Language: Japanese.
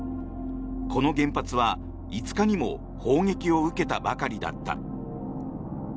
この原発は５日にも砲撃を受けたばかりだった。